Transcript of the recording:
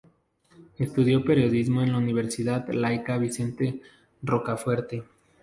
Estudió periodismo en la Universidad Laica Vicente Rocafuerte.